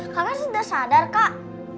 kakak sudah sadar kak